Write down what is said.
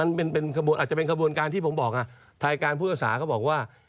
อาจจะเป็นขบวนการที่ผมบอกภายการพุทธศาสตร์เขาบอกว่า